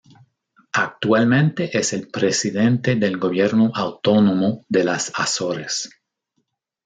Actualmente es el presidente del gobierno autónomo de las Azores.